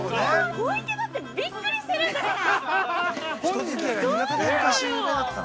◆小池だってびっくりしてるんですから。